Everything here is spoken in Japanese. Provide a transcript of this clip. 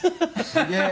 すげえ。